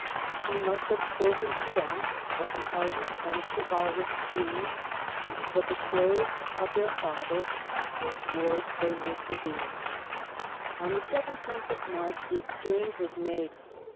She must have spoken to them of the ardent and chivalric Queen, the betrothed of their father, whose wards they were to be. On the 17th of March the exchange was made.